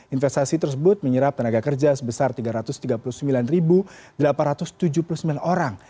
investasi tersebut menyerap tenaga kerja sebesar tiga ratus tiga puluh sembilan delapan ratus tujuh puluh sembilan orang